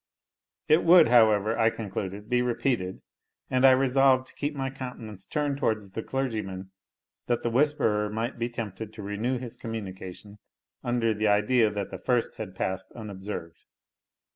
It would, however, I concluded, be repeated, and I resolved to keep my countenance turned towards the clergyman, that the whisperer might be tempted to renew his communication under the idea that the first had passed unobserved.